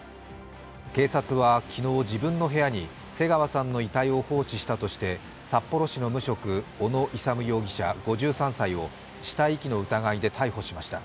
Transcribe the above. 警察は昨日、自分の部屋に瀬川さんの遺体を放置したとして札幌市の無職、小野勇容疑者５３歳を死体遺棄の疑いで逮捕しました。